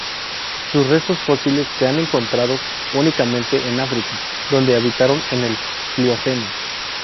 Sus restos fósiles se han encontrados únicamente en África, donde habitaron en el Plioceno.